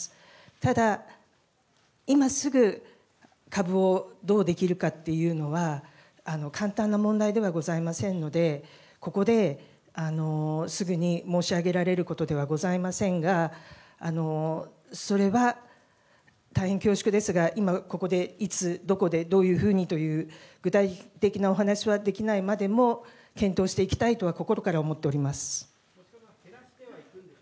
ただ、今すぐ株をどうできるかっていうのは、簡単な問題ではございませんので、ここですぐに申し上げられることではございませんが、それは大変恐縮ですが、今、ここで、いつ、どこで、どういうふうにという、具体的なお話はできないまでも、検討していきたいとは心から思っております。